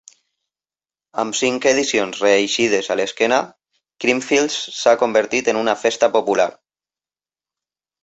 Amb cinc edicions reeixides a l'esquena, Creamfields s'ha convertit en una festa popular.